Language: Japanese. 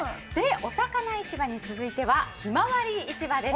おさかな市場に続いてはひまわり市場です。